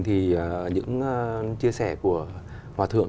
thì những chia sẻ của hòa thượng